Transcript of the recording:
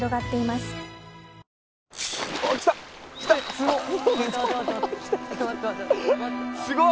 すごい。